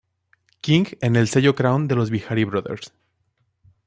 King en el sello Crown de los Bihari Brothers.